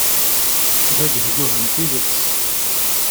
D agehguh n tidet.